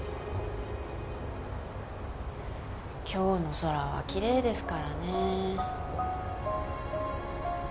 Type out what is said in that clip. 今日の空は奇麗ですからね。